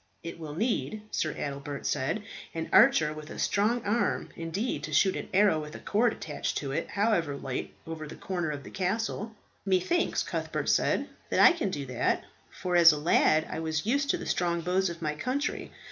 "It will need," Sir Adelbert said, "an archer with a strong arm indeed to shoot an arrow with a cord attached to it, however light, over the corner of the castle." "Methinks," Cuthbert said, "that I can do that, for as a lad I was used to the strong bows of my country.